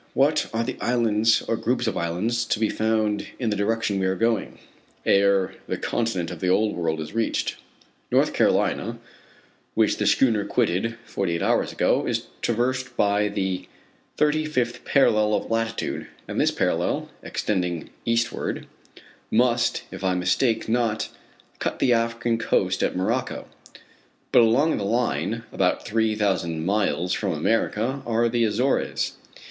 What are the islands or groups of islands to be found in the direction we are going, ere the continent of the Old World is reached? North Carolina, which the schooner quitted forty eight hours ago, is traversed by the thirty fifth parallel of latitude, and this parallel, extending eastward, must, if I mistake not, cut the African coast at Morocco. But along the line, about three thousand miles from America, are the Azores.